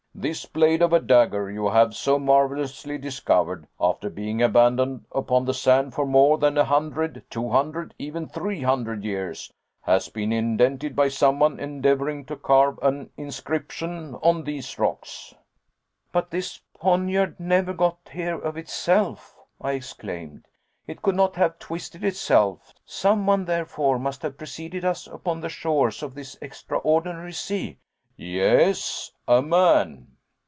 This blade of a dagger you have so marvelously discovered, after being abandoned upon the sand for more than a hundred, two hundred, even three hundred years, has been indented by someone endeavoring to carve an inscription on these rocks." "But this poniard never got here of itself," I exclaimed, "it could not have twisted itself. Someone, therefore, must have preceded us upon the shores of this extraordinary sea." "Yes, a man."